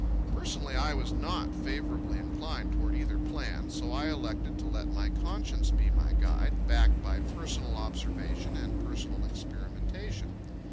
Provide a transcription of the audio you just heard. Personally I was not favorably inclined toward either plan, so I elected to let my conscience be my guide, backed by personal observation and personal experimentation.